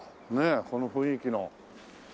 ねえこの雰囲気の。